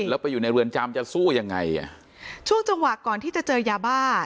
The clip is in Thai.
แล้วไปอยู่ในเรือนจำจะสู้ยังไงอ่ะช่วงจังหวะก่อนที่จะเจอยาบ้า